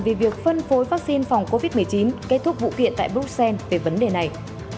về việc phân phối vaccine phòng covid một mươi chín kết thúc vụ kiện tại bruxelles về vấn đề này